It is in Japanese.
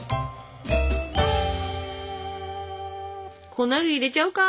粉類入れちゃうか？